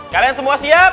kalian semua siap